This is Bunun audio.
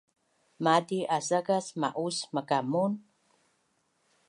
Mati asakas ma’us makamun?